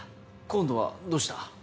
今度はどうした？